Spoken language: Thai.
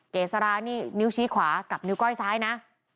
เกษรานี่นิ้วชี้ขวากับนิ้วก้อยซ้ายนะ